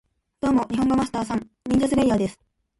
ドーモ、ニホンゴマスター＝サン！ニンジャスレイヤーです